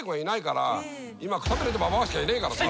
今くたびれたばばあしかいねえからさ。